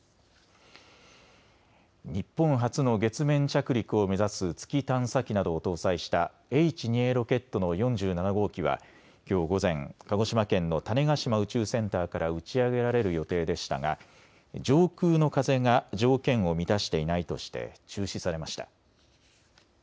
日本初の月面着陸を目指す月探査機などを搭載したＨ２Ａロケットの４７号機はきょう午前、鹿児島県の種子島宇宙センターから打ち上げられる予定でしたが上空の風が条件を満たしていないとして中止されました。